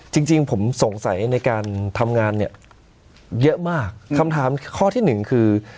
จริงจริงผมสงสัยในการทำงานเนี่ยเยอะมากคำถามข้อที่หนึ่งคือ